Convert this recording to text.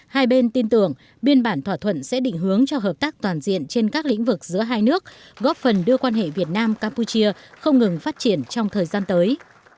hai bên tin tưởng biên bản thỏa thuận sẽ định hướng cho hợp tác toàn diện trên các lĩnh vực giữa hai nước góp phần đưa quan hệ việt nam campuchia không ngừng phát triển trong thời gian tới